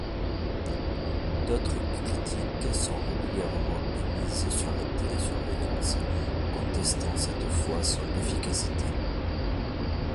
D'autres critiques sont régulièrement émises sur la télésurveillance, contestant cette fois son efficacité.